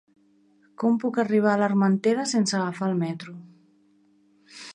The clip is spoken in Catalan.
Com puc arribar a l'Armentera sense agafar el metro?